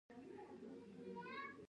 د دوی ځمکه سپیڅلې ده.